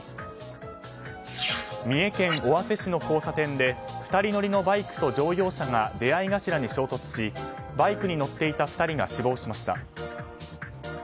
三重県尾鷲市の交差点で２人の乗りのバイクと乗用車が出合い頭に衝突しバイクに乗っていた２人が死亡しました。